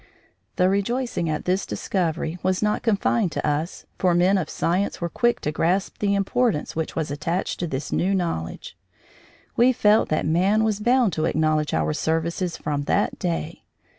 The rejoicing at this discovery was not confined to us, for men of science were quick to grasp the importance which was attached to this new knowledge. We felt that man was bound to acknowledge our services from that day.